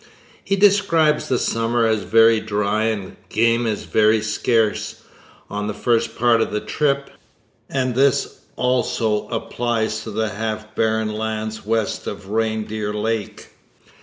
He describes the summer as very dry and game as very scarce, on the first part of the trip; and this also applies to the half barren lands west of Reindeer Lake.